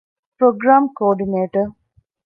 ޕްރޮގްރާމް ކޯޑިނޭޓަރ